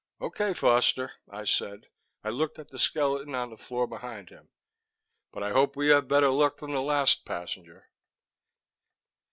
"Okay, Foster," I said. I looked at the skeleton on the floor behind him. "But I hope we have better luck than the last passenger."